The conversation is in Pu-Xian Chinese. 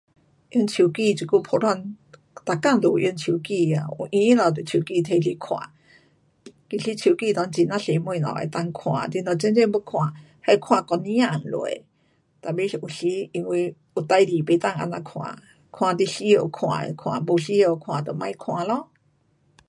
用手机这久普通每天都有用手机啊，有闲了就手机拿去看，其实手机内很呀多东西能够看，你若真真要看那看整个天下。tapi 有时有因为有事情不能这样看，看你需要看的看，不需要看的就别看咯。